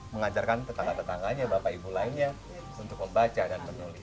mengajarkan tetangga tetangganya bapak ibu lainnya untuk membaca dan menulis